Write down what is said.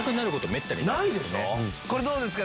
これどうですか？